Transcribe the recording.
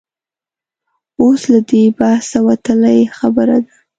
اوس له دې بحثه وتلې خبره ده.